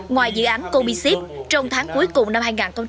ngoài dự án cobixif trong tháng cuối cùng năm hai nghìn một mươi chín